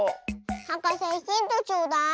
はかせヒントちょうだい。